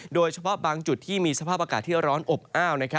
โดยเฉพาะบางจุดที่มีสภาพอากาศที่ร้อนอบอ้าว